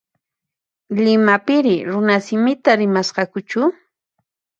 Limapiri runasimita rimasqakuchu?